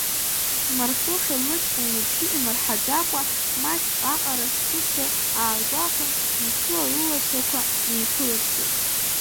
Марфуша лыҷкәын лыбжьы имырҳаӡакәа маҷк аҟара сзыцәар, аалгәахәын мчыла лылацәақәа неиқәылыԥсеит.